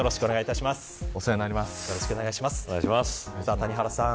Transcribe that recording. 谷原さん